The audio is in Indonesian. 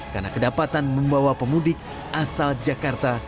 karena kedapatan membawa pemudik asal jakarta